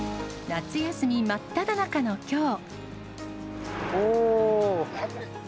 夏休み真っただ中のきょう。